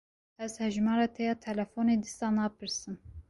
Ez hejmara te ya telefonê dîsa napirsim.